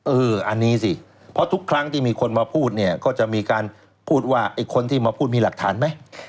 เอออันนี้สิเพราะทุกครั้งที่มีคนมาพูดเนี่ยก็จะมีการพูดว่าไอ้คนที่มาพูดมีหลักฐานไหม